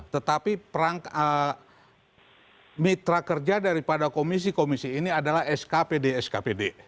tetapi perang mitra kerja daripada komisi komisi ini adalah skpd skpd